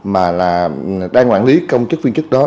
mà đang quản lý công chức viên chức đó